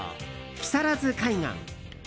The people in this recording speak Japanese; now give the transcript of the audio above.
木更津海岸。